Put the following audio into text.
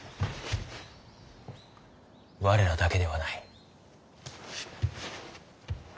我らだけではない。